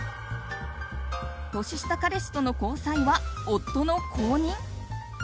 年下彼氏との交際は夫の公認？